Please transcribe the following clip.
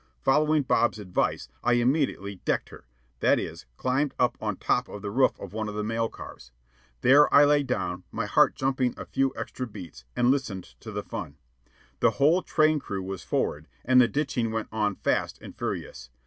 Following Bob's advice, I immediately "decked her," that is, climbed up on top of the roof of one of the mail cars. There I lay down, my heart jumping a few extra beats, and listened to the fun. The whole train crew was forward, and the ditching went on fast and furious.